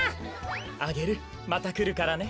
アゲルまたくるからね。